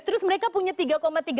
terus mereka punya tiga tiga